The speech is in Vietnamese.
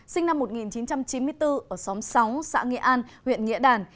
sinh năm một nghìn chín trăm chín mươi bốn ở xóm sáu xã nghĩa an huyện nghĩa đàn